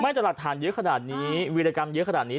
แต่หลักฐานเยอะขนาดนี้วิรกรรมเยอะขนาดนี้